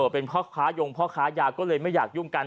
เป็นพ่อค้ายงพ่อค้ายาก็เลยไม่อยากยุ่งกัน